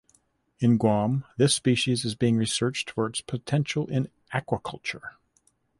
In Guam this species is being researched for its potential in aquaculture.